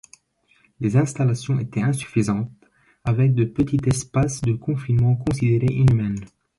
Les installations étaient insuffisantes, avec de petits espaces de confinement considérées inhumaines.